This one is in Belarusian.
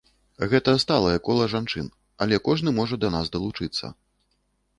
Гэта сталае кола жанчын, але кожны можа да нас далучыцца.